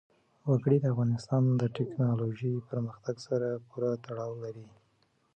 وګړي د افغانستان د تکنالوژۍ پرمختګ سره پوره تړاو لري.